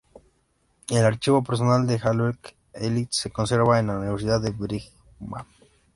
El archivo personal de Havelock Ellis se conserva en la Universidad de Birmingham.